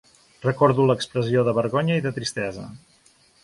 Recordo l'expressió de vergonya i de tristesa